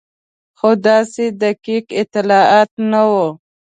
خو داسې دقیق اطلاعات نه وو.